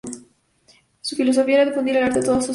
Su filosofía era difundir al arte a toda la sociedad.